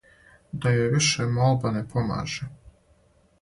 Да јој више молба не помаже,